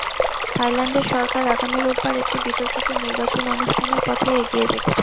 থাইল্যান্ডের সরকার আগামী রোববার একটি বিতর্কিত নির্বাচন অনুষ্ঠানের পথেই এগিয়ে যেতে চায়।